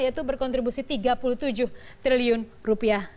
yaitu berkontribusi tiga puluh tujuh triliun rupiah